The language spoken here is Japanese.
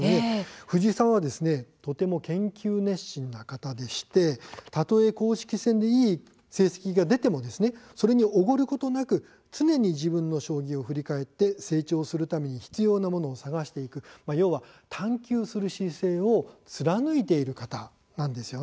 藤井さんはとても研究熱心な方でしてたとえ公式戦でいい成績が出てもそれにおごることなく常に自分の将棋を振り返って成長するために必要なものを探していく要は探究する姿勢を貫いている方なんです。